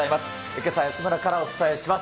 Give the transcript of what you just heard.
けさは安村からお伝えします。